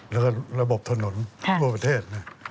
และระบบถนนทั่วประเทศ